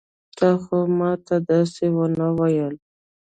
تا خو ما ته داسې ونه ويل.